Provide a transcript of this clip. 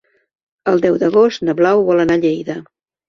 El deu d'agost na Blau vol anar a Lleida.